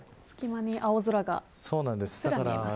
隙間に青空がうっすら見えます。